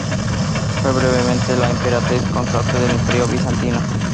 Fue brevemente la emperatriz consorte del Imperio Bizantino.